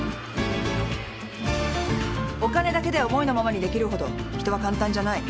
お金だけで思いのままにできるほど人は簡単じゃない。